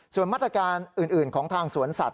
ส่วนมาตรการอื่นของทางสวนสัตว